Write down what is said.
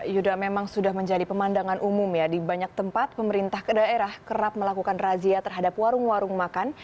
yudha memang sudah menjadi pemandangan umum ya di banyak tempat pemerintah daerah kerap melakukan razia terhadap warung warung makan